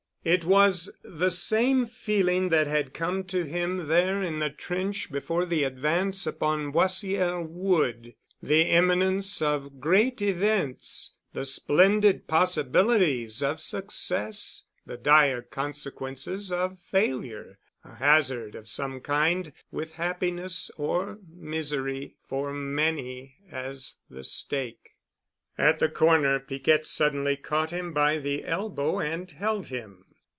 It was the same feeling that had come to him there in the trench before the advance upon Boissière Wood, the imminence of great events, the splendid possibilities of success, the dire consequences of failure, a hazard of some kind, with happiness or misery for many as the stake. At the corner Piquette suddenly caught him by the elbow and held him.